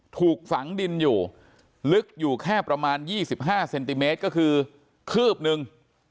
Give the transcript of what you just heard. ถูกฝังดินอยู่ลึกอยู่แค่ประมาณ๒๕เซนติเมตรก็คือคืบนึง